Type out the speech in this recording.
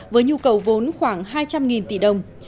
với nhu cầu vốn khoảng hai trăm linh tỷ đồng